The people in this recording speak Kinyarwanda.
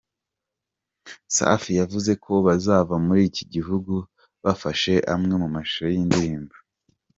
Safi yavuze ko bazava muri iki gihugu bafashe amwe mu mashusho y’iyi ndirimbo.